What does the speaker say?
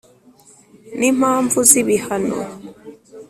n impamvu z ibihano